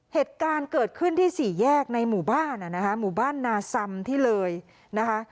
เหตุการณ์เกิดขึ้นที่สี่แยกในหมู่บ้านนะคะหมู่บ้านนาซำที่เลยนะคะ